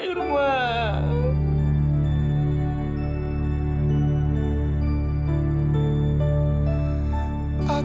disuruh hanya sedekahan